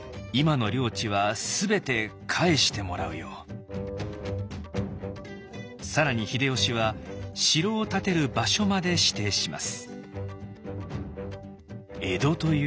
「家康くん」更に秀吉は城を建てる場所まで指定します。